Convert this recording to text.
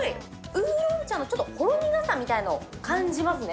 烏龍茶の、ちょっとほろ苦さみたいなのを感じますね。